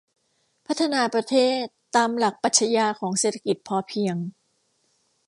พัฒนาประเทศตามหลักปรัชญาของเศรษฐกิจพอเพียง